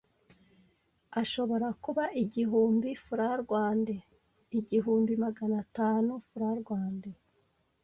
ashobora kuba igihumbi Frw, igihumbi maganatanu Frw